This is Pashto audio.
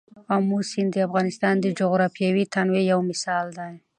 آمو سیند د افغانستان د جغرافیوي تنوع یو مثال دی.